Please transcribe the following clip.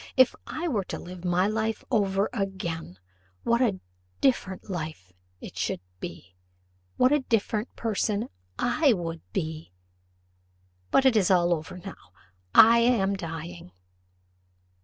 If I were to live my life over again, what a different life it should be! What a different person I would be! But it is all over now I am dying."